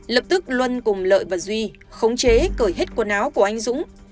lập tức luân cùng lợi và duy khống chế cởi hết quần áo của anh dũng